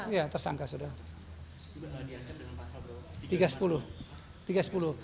iya tersangka sudah